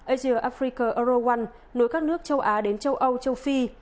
asia africa euro one nối các nước châu á đến châu âu châu phi